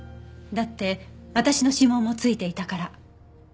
だって私の指紋も付いていたから。